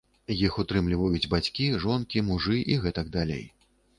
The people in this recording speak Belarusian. Іх утрымліваюць бацькі, жонкі, мужы і гэтак далей.